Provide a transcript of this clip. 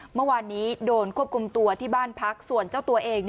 เมื่อวานนี้โดนควบคุมตัวที่บ้านพักส่วนเจ้าตัวเอง